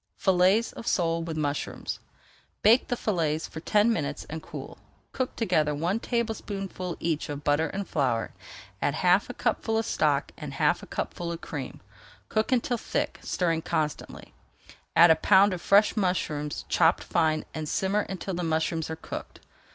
FILLETS OF SOLE WITH MUSHROOMS Bake the fillets for ten minutes and cool. [Page 397] Cook together one tablespoonful each of butter and flour, add half a cupful of stock and half a cupful of cream. Cook until thick, stirring constantly. Add a pound of fresh mushrooms chopped fine and simmer until the mushrooms are cooked.